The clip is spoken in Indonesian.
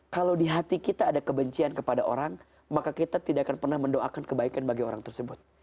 kalau di hati kita ada kebencian kepada orang maka kita tidak akan pernah mendoakan kebaikan bagi orang tersebut